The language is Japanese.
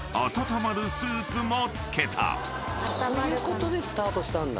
そういうことでスタートしたんだ。